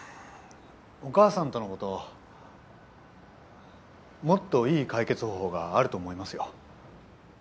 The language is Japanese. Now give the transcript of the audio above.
お母さんとのこともっといい解決方法があると思いますよ。